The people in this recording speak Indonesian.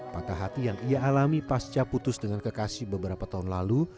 patah hati yang ia alami pasca putus dengan kekasih beberapa tahun lalu